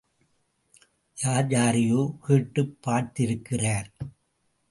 யார் யாரையோ கேட்டுப் பார்த்திருக்கிறார்.